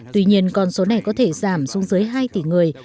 tuy nhiên con số này có thể giảm xuống dưới hai tỷ người